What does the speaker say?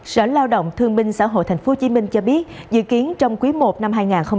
sở lao động thương minh xã hội tp hcm cho biết dự kiến trong quý i năm hai nghìn hai mươi